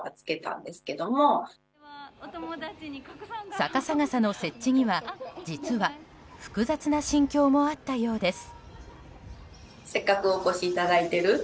逆さ傘の設置には、実は複雑な心境もあったようです。